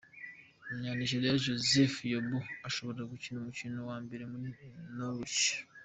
Umunya Nigeria Joseph Yobo ashobora gukina umukino wa mbere muri Norwich.